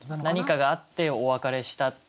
何かがあってお別れした。